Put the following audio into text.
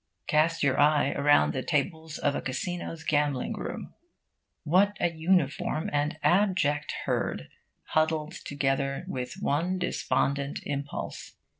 Cast your eye around the tables of a casino's gambling room. What an uniform and abject herd, huddled together with one despondent impulse!